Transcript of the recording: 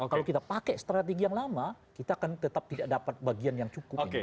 kalau kita pakai strategi yang lama kita akan tetap tidak dapat bagian yang cukup